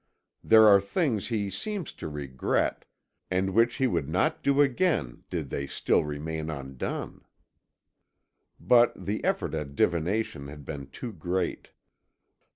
There are things he seems to regret, and which he would not do again did they still remain undone." But the effort at divination had been too great.